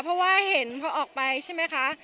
เพราะว่าเห็นพอออกไปใช่ไหมคะ